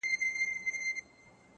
هر یوه خپل په وار راوړي بربادې وې دلته!